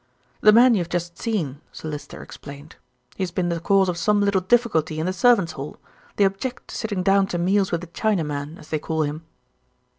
"The man you have just seen," Sir Lyster explained. "He has been the cause of some little difficulty in the servants' hall. They object to sitting down to meals with a Chinaman, as they call him.